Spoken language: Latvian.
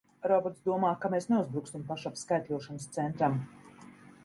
Robots domā, ka mēs neuzbruksim pašam skaitļošanas centram!